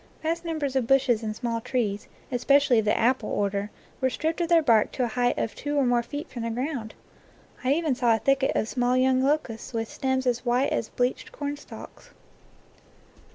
Vast num bers of bushes and small trees, especially of the apple order, were stripped of their bark to a height of two or more feet from the ground. I even saw a thicket of small young locusts with stems as white as bleached cornstalks.